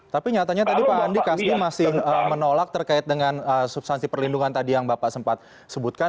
tapi nyatanya tadi pak andi kasbi masih menolak terkait dengan substansi perlindungan tadi yang bapak sempat sebutkan